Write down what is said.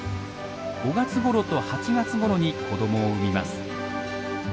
５月ごろと８月ごろに子どもを産みます。